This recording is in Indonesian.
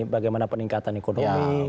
bagaimana peningkatan ekonomi